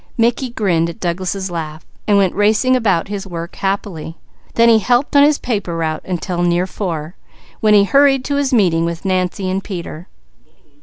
Mickey grinned at Douglas' laugh, and went racing about his work, then he helped on his paper route until four, when he hurried to his meeting with Nancy and Peter.